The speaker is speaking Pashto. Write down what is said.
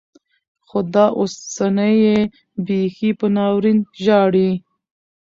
خو دا اوسنۍيې بيخي په ناورين ژاړي.